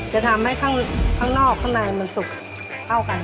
จะทำให้ข้างนอกข้างในมันสุกเข้ากัน